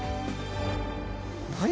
何？